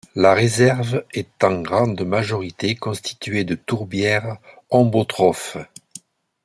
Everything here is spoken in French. La réserve est en grande majorité constituée de tourbières ombrotrophes.